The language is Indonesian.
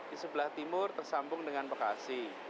di sebelah timur tersambung dengan bekasi